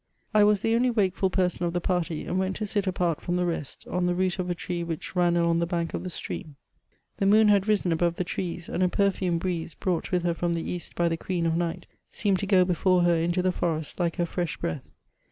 I was the only wakeful person of the party, and went to sit apart from the rest, on the root of a tree which ran along the bank of the stream. The moon had risen above the trees, and a perfumed breeze^ brought with her from the east by the queen of night, seemed to go before her into the forest like ner fresh breath.